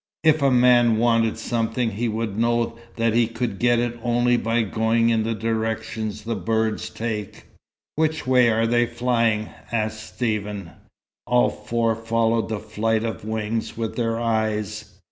If a man wanted something, he would know that he could get it only by going in the direction the birds take." "Which way are they flying?" asked Stephen. All four followed the flight of wings with their eyes.